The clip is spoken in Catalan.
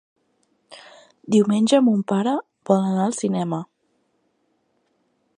Diumenge mon pare vol anar al cinema.